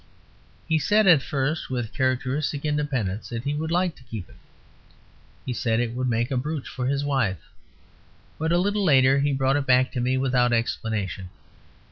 He said at first, with characteristic independence, that he would like to keep it. He said it would make a brooch for his wife. But a little later he brought it back to me without explanation.